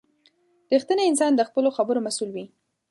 • رښتینی انسان د خپلو خبرو مسؤل وي.